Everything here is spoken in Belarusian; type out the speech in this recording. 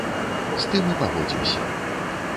З тым і пагодзімся.